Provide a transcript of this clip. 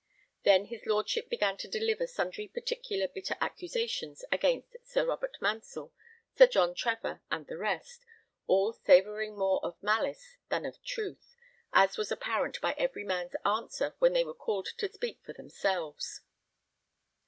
Then his Lordship began to deliver sundry particular bitter accusations against Sir Robert Mansell, Sir John Trevor, and the rest, all savouring more of malice than of truth, as was apparent by every man's answer when they were called to speak for themselves.